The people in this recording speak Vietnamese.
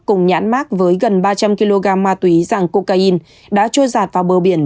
cùng nhãn mác với gần ba trăm linh kg ma túy dạng cocaine đã trôi giạt vào bờ biển